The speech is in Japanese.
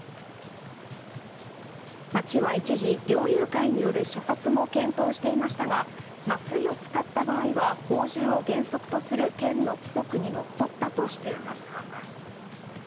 町は一時、猟友会による射殺も検討していましたが麻酔を使った場合は放獣を原則とする県の規則にのっとったとしています。